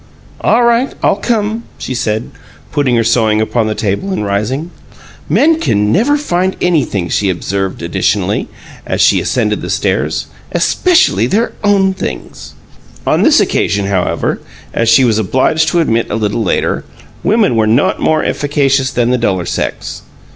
"All right; I'll come," she said, putting her sewing upon the table and rising. "Men never can find anything," she observed, additionally, as she ascended the stairs. "Especially their own things!" On this occasion, however, as she was obliged to admit a little later, women were not more efficacious than the duller sex.